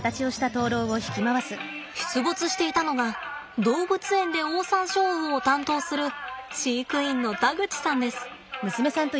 出没していたのが動物園でオオサンショウウオを担当する飼育員の田口さんです。